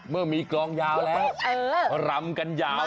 เมื่อมีกลองยาวแล้วรำกันยาว